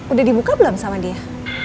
udah dibuka belum sama dia